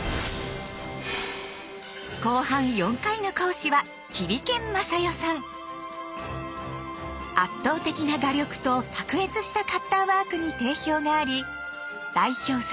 後半４回の講師は圧倒的な画力と卓越したカッターワークに定評があり代表作